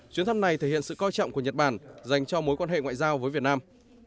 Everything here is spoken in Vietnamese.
chuyến thăm này thể hiện sự coi trọng của nhật bản dành cho mối quan hệ ngoại giao với việt nam